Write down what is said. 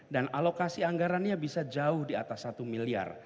dan alokasi anggarannya bisa jauh di atas satu miliar